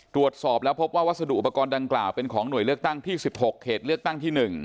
ตรวจสอบแล้วพบว่าวัสดุอุปกรณ์ดังกล่าวเป็นของหน่วยเลือกตั้งที่๑๖เขตเลือกตั้งที่๑